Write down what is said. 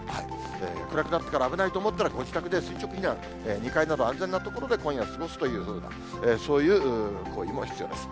暗くなってから危ないと思ったら、ご自宅で垂直避難、２階など安全な所で今夜は過ごすというふうな、そういう行為も必要です。